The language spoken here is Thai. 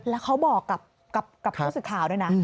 แล้วเขาบอกกับผู้สื่อข่าวด้วยนะ